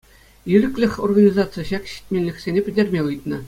«Ирӗклӗх» организаци ҫак ҫитменлӗхсене пӗтерме ыйтнӑ.